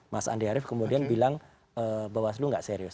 mas andi arief kemudian bilang bawaslu nggak serius